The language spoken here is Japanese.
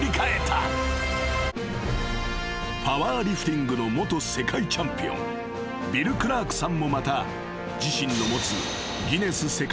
［パワーリフティングの元世界チャンピオンビル・クラークさんもまた自身の持つ］